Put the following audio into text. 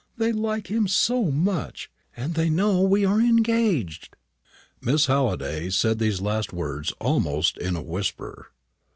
They like him so much and they know we are engaged." Miss Halliday said these last words almost in a whisper.